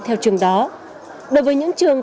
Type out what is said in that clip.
theo trường đó đối với những trường